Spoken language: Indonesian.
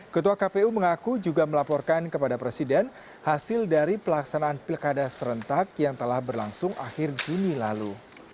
ketua kpu mengaku juga melaporkan kepada presiden hasil dari pelaksanaan pilkada serentak yang telah berlangsung akhir juni lalu